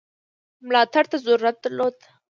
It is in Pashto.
ملاتړ ته ضرورت درلود.